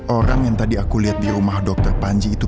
orang yang tadi aku lihat di rumah dr panji itu